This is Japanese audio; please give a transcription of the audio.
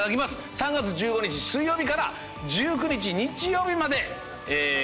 ３月１５日水曜日から１９日日曜日まで計６公演。